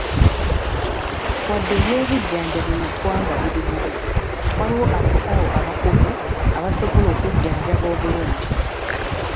Wadde eby'obujjanjabi mu ggwanga biri bubi, waliwo abasawo abakugu abasobola okujjanjaba obulungi.